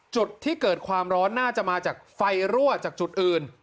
จุดที่เกิดความร้อนน่าจะมาจากไฟรั่วจากจุดอื่น